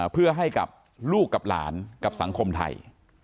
เพื่อให้กับลูกกับหลานกับสังคมไทย